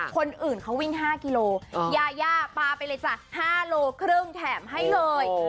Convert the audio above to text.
คนอื่นเขาวิ่ง๕กิโลยายาปลาไปเลยจ้ะ๕โลครึ่งแถมให้เลย